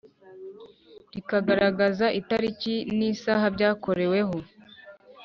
rikagaragaza itariki n isaha byakoreweho